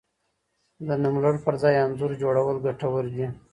د نوملړ پر ځای انځور جوړول ګټور دي.